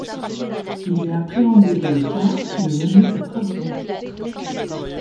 Il est appréhendé dans le car qui le menait à Trabzon.